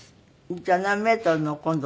じゃあ何メートルのを今度取るの？